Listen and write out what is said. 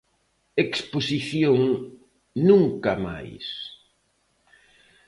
Exposición Nunca Máis.